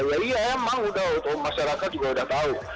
ya iya emang udah masyarakat juga udah tahu